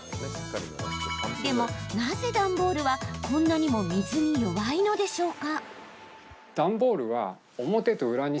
でも、なぜ段ボールはこんなにも水に弱いんでしょうか？